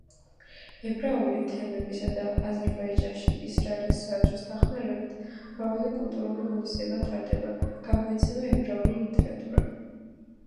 ებრაული თემებისა და აზერბაიჯანში ისრაელის საელჩოს დახმარებით, მრავალი კულტურული ღონისძიება ტარდება, გამოიცემა ებრაული ლიტერატურა.